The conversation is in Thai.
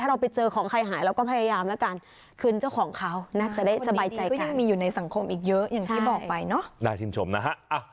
เราไปเจอของใครหายเราก็พยายามแล้วกันคืนเจ้าของเขาน่าจะได้สบายใจก็มีอยู่ในสังคมอีกเยอะอย่างที่บอกไปเนาะน่าชื่นชมนะฮะ